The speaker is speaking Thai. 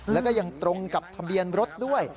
แล้วก็ยังตรงกับทะเบียนรถด้วย